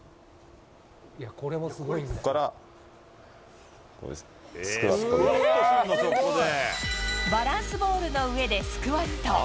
ここからこれです、スクワッバランスボールの上でスクワット。